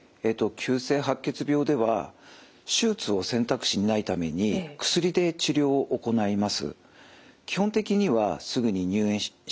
急性白血病では手術を選択肢にないために薬で治療を行います。